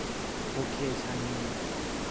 โอเค ชางงี !